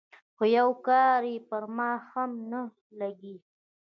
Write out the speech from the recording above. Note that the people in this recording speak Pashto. خو يو کار يې پر ما ښه نه لګېږي.